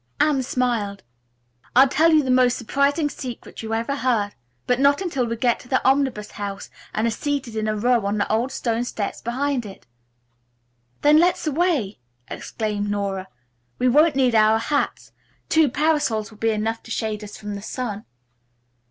Anne smiled. "I'll tell you the most surprising secret you ever heard, but not until we get to the Omnibus House and are seated in a row on the old stone steps behind it." "Then let's away!" exclaimed Nora. "We won't need our hats. Two parasols will be enough to shade us from the sun."